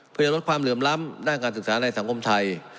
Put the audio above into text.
เพื่อลดความเหลื่อมล้ำด้านการศึกษาในสังคมไทย